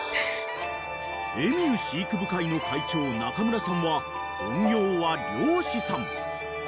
［エミュー飼育部会の会長中村さんは本業は漁師さん］